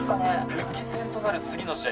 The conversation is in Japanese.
復帰戦となる次の試合